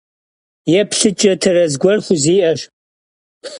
Yêplhıç'e terez guere xuzi'eş.